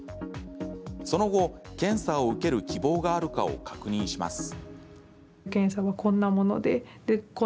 その後、検査を受ける希望があるかを確認します。